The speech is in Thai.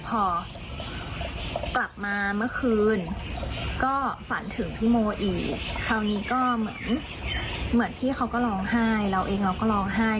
พอกลับมาเมื่อคืนก็ฝันถึงพี่โมอีกคราวนี้ก็เหมือนเหมือนพี่เขาก็ร้องไห้เราเองเราก็ร้องไห้